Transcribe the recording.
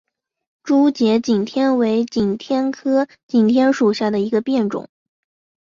珠节景天为景天科景天属下的一个变种。